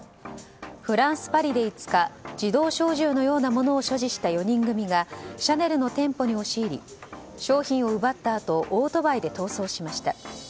フランス・パリで５日自動小銃のようなものを所持した４人組がシャネルの店舗に押し入り商品を奪ったあとオートバイで逃走しました。